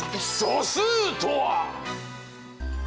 素数とは！